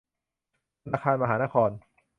ธนาคารมหานคร